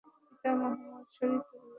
পিতা মোহাম্মদ শরিয়তুল্লাহ।